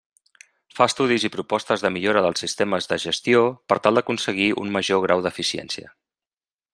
Fa estudis i propostes de millora dels sistemes de gestió per tal d'aconseguir un major grau d'eficiència.